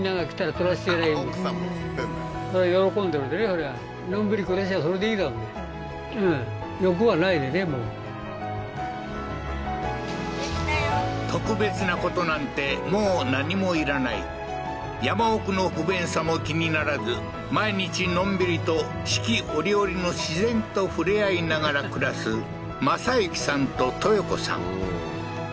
お二人でそれで特別なことなんてもう何もいらない山奥の不便さも気にならず毎日のんびりと四季折々の自然と触れ合いながら暮らす正行さんとトヨ子さん